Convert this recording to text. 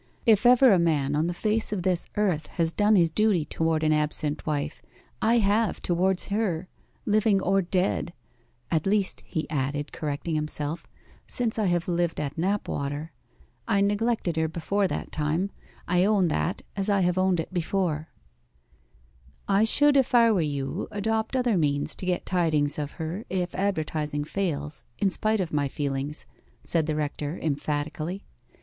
'If ever a man on the face of this earth has done his duty towards an absent wife, I have towards her living or dead at least,' he added, correcting himself, 'since I have lived at Knapwater. I neglected her before that time I own that, as I have owned it before.' 'I should, if I were you, adopt other means to get tidings of her if advertising fails, in spite of my feelings,' said the rector emphatically.